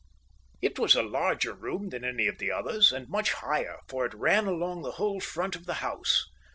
It was a larger room than any on the others and much higher, for it ran along the whole front of the house.